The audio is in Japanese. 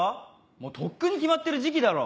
もうとっくに決まってる時期だろ。